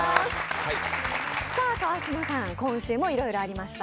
川島さん、今週もいろいろありました。